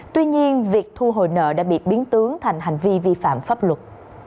tuy nhiên việc thu hồi nợ đã bị biến tướng thành hành vi vi phạm pháp luật